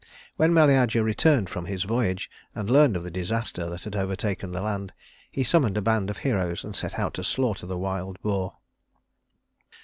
When Meleager returned from his voyage, and learned of the disaster that had overtaken the land, he summoned a band of heroes and set out to slaughter the wild boar.